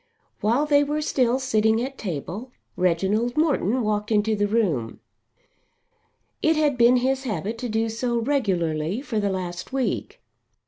While they were still sitting at table, Reginald Morton walked into the room. It had been his habit to do so regularly for the last week.